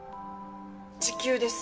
時給です。